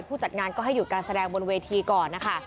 จัดงานก็ให้หยุดการแสดงบนเวทีก่อนนะคะ